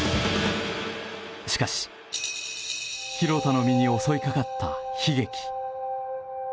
しかし、廣田の身に襲いかかった悲劇。